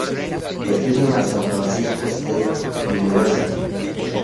Estudió en la "San Francisco State University".